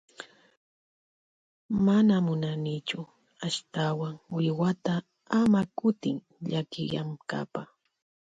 Mana munanichu ashtawan wiwata ama kutin llakiyankapa.